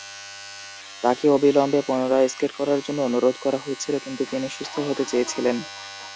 তাকে অবিলম্বে পুনরায় স্কেট করার জন্য অনুরোধ করা হয়েছিল, কিন্তু তিনি সুস্থ হতে চেয়েছিলেন।